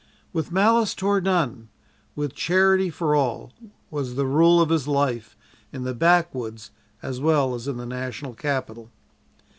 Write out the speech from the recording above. "With malice toward none, with charity for all," was the rule of his life in the backwoods as well as in the National Capital.